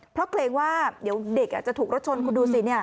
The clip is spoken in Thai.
เพราะเกรงว่าเดี๋ยวเด็กจะถูกรถชนคุณดูสิ